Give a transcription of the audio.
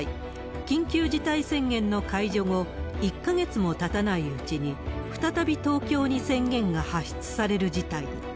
緊急事態宣言の解除後、１か月もたたないうちに、再び東京に宣言が発出される事態に。